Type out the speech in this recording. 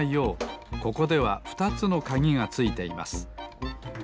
ここでは２つのかぎがついています。